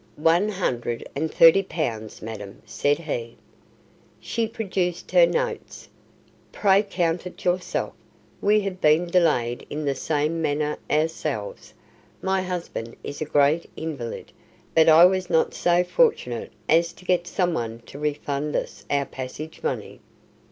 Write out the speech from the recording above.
"One hundred and thirty pounds, madam," said he. She produced her notes. "Pray count it yourself. We have been delayed in the same manner ourselves. My husband is a great invalid, but I was not so fortunate as to get someone to refund us our passage money."